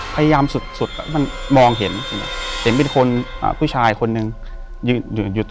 พยายามสุดสุดมันมองเห็นเห็นเป็นคนอ่าผู้ชายคนนึงหยุดหยุด